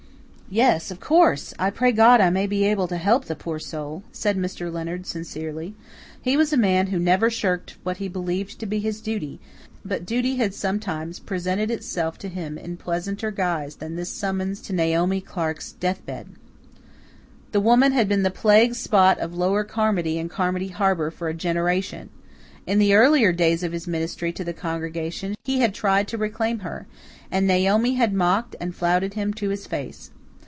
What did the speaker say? "Yes, of course. I pray God I may be able to help the poor soul," said Mr. Leonard sincerely. He was a man who never shirked what he believed to be his duty; but duty had sometimes presented itself to him in pleasanter guise than this summons to Naomi Clark's death bed. The woman had been the plague spot of Lower Carmody and Carmody Harbour for a generation. In the earlier days of his ministry to the congregation he had tried to reclaim her, and Naomi had mocked and flouted him to his face.